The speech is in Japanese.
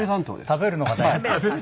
食べるのが大好き。